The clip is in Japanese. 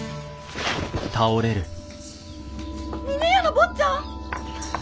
峰屋の坊ちゃん！？